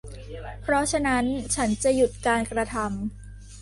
เพราะฉะนั้นฉันจะหยุดการกระทำ